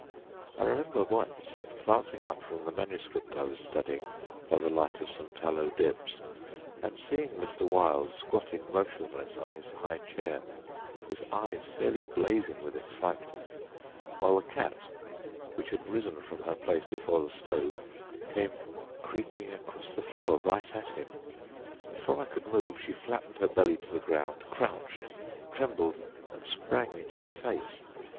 I remember once, glancing up from the manuscript I was studying by the light of some tallow dips, and seeing Mr. Wilde squatting motionless on his high chair, his eyes fairly blazing with excitement, while the cat, which had risen from her place before the stove, came creeping across the floor right at him. Before I could move she flattened her belly to the ground, crouched, trembled, and sprang into his face.